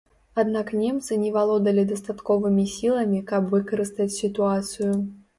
Аднак немцы не валодалі дастатковымі сіламі, каб выкарыстаць сітуацыю.